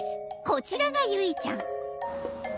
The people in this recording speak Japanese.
こちらがゆいちゃん